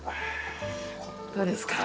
どうですか？